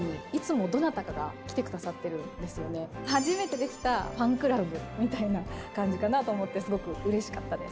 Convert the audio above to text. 初めてできたファンクラブみたいな感じかなと思って、すごくうれしかったです。